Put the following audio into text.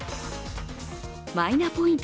マイナポイント